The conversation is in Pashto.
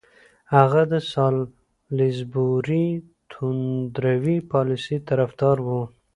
هغه د سالیزبوري توندروي پالیسۍ طرفدار وو.